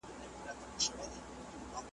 انار هم ښه کولی شو.